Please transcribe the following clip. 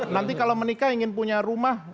nanti kalau menikah ingin punya rumah